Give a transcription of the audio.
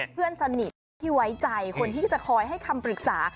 เพื่อนสนิทที่ไว้ใจคนที่จะคอยให้คำปรึกษา